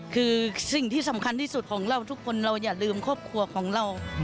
คือสิ่งที่สำคัญที่สุดของเราทุกคนเราอย่าลืมครอบครัวของเรา